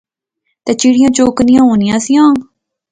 تہ چڑیاں چوکانیاں ہونیاں سیا